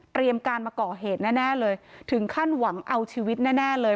เตรียมการมะกอเหตุแน่แน่เลยถึงขั้นหวังเอาชีวิตแน่แน่เลย